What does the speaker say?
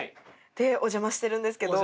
でおじゃましてるんですけど。